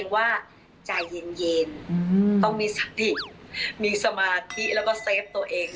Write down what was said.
ว่าใจเย็นต้องมีสติมีสมาธิแล้วก็เซฟตัวเอง